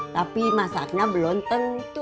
tapi masaknya belum tentu